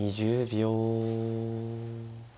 ２０秒。